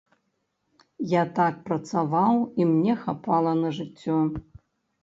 Я так працаваў, і мне хапала на жыццё.